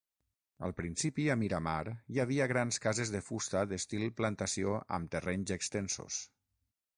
Al principi a Miramar hi havia grans cases de fusta d'estil plantació amb terrenys extensos.